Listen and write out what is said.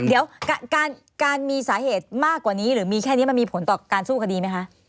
เดี๋ยวการมีสาเหตุมากกว่านี้หรือมีแค่นี้มันมีผลต่อการสู้คดีไหมคะ